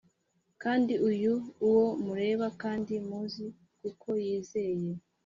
Kandi uyu uwo mureba kandi muzi kuko yizeye